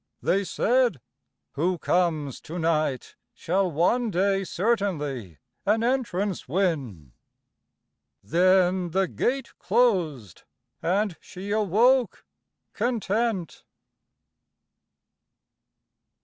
They said, "Who comes to night Shall one day certainly an entrance win;" Then the gate closed and she awoke content.